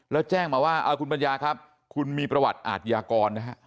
แล้วแจ้งมาว่าคุณปัญญาครับคุณมีประวัติอาทยากรนะฮะ